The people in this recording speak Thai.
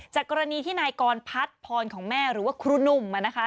กรณีที่นายกรพัฒน์พรของแม่หรือว่าครูหนุ่มนะคะ